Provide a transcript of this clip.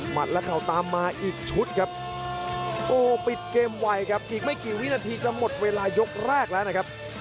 และเข่าตามมาอีกชุดครับโอ้ปิดเกมไวครับอีกไม่กี่วินาทีจะหมดเวลายกแรกแล้วนะครับ